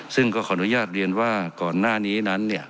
ซึ่งก็ขออนุญาตเรียนว่าก่อนหน้านี้นั้น